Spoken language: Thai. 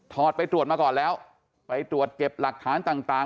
ไปตรวจมาก่อนแล้วไปตรวจเก็บหลักฐานต่าง